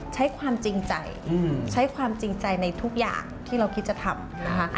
ใช้ความจริงใจใช้ความจริงใจในทุกอย่างที่เราคิดจะทำนะคะ